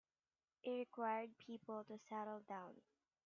It required people to settle down.